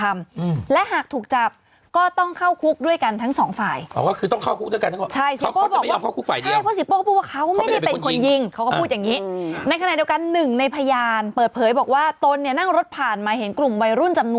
เราก็จะได้เห็นภาพชัดคุณผู้ชม